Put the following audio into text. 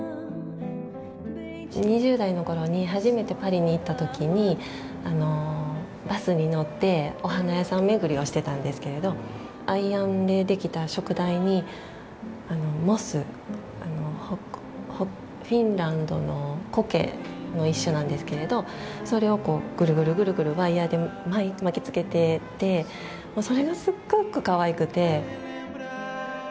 ２０代の頃に初めてパリに行った時にバスに乗ってお花屋さん巡りをしてたんですけれどアイアンでできた燭台にモスフィンランドのコケの一種なんですけれどそれをグルグルグルグルワイヤーで巻きつけててもうそれがすっごくかわいくて。